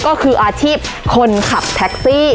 ก็คืออาชีพคนขับแท็กซี่